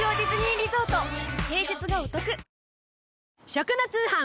食の通販。